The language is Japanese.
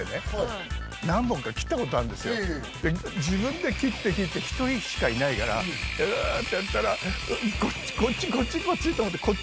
自分で切って切って１人しかいないからうってやったらこっちこっちと思って。